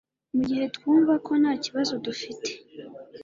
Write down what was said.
Mugihe twumva ko ntakibazo dufite